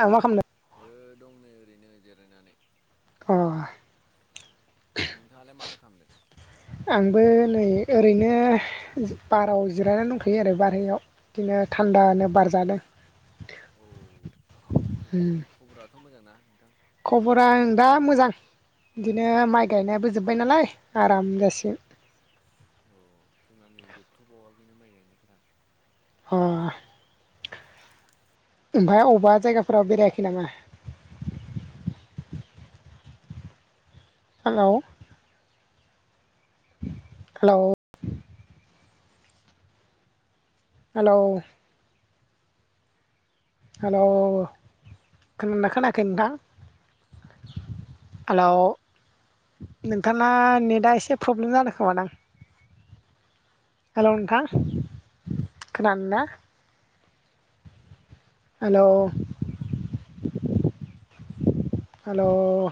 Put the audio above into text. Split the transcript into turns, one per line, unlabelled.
मा खालाम दो
हो दं नै ओरैनो जिरायनानै।
अ।
नोंथाङालाय माथो खालामदों?
आंबो नै ओरैनो बाराव जिरायनानै दंखैयो आरो बारहायाव बिदिनो थान्दानो बारजादों।
औ खब खबराथ' मोजांना नोंथां?
खबरा ओं दा मोजां। बिदिनो माइ गायनायाबो जोब्बाय नालाय आराम जासिगोन।
अ जोंना नै जोबथ'बावाखैनो माइ गायनायफोरा।
अ। ओमफाय अबबा जायगाफोराव बेरायाखै नामा? हेलौ। हेलौ। हेलौ। हेलौ खोनादोंना खोनायाखै नोंथां? हेलौ। नोंथाङा नेटआ एसे प्रब्लेम जादों खोमादां? हेलौ नोंथां खोनानो ना?
[inaudible]
Hello hello